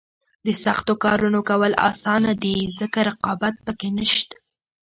د سختو کارونو کول اسانه دي ځکه رقابت پکې نشته.